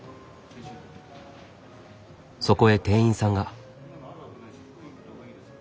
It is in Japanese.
そこへ店員さんが。